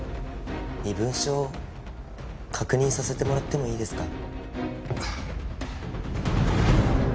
身分証確認させてもらってもいいですか？